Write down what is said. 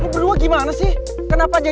kalian juga ya